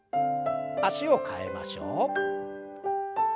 脚を替えましょう。